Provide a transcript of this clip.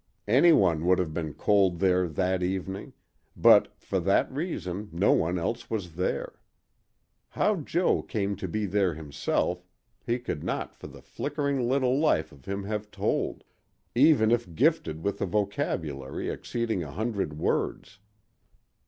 Anyone would have been cold there that evening; but, for that reason, no one else was there. How Jo came to be there himself, he could not for the flickering little life of him have told, even if gifted with a vocabulary exceeding a hundred words.